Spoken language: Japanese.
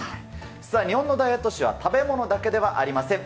日本のダイエット史は食べ物だけではありません。